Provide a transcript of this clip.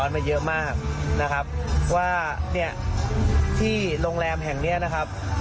มาเยอะมากนะครับว่าเนี่ยที่โรงแรมแห่งเนี้ยนะครับ